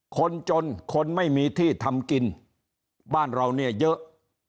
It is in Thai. คนจนคนไม่มีที่ทำกินบ้านเราเนี่ยเยอะ